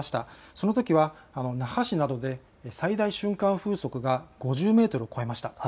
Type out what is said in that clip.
そのときは那覇市などで最大瞬間風速が５０メートルを超えました。